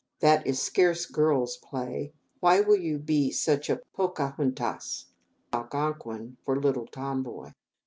That is scarce girls' play. Why will you be such a po ca hun tas?" (1) (1) Po ca hun tas, Algonquin for a little "tomboy."